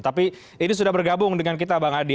tapi ini sudah bergabung dengan kita bang adi